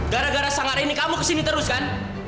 gara gara sang arah ini kamu kesini terus kan